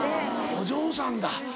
お嬢さんだ。